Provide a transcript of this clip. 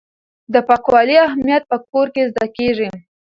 د پاکوالي اهمیت په کور کې زده کیږي.